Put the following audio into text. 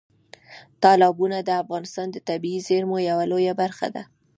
تالابونه د افغانستان د طبیعي زیرمو یوه لویه برخه ده.